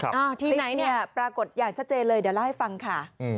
คลิปเนี่ยปรากฏอย่างชัดเจนเลยเดี๋ยวเล่าให้ฟังค่ะ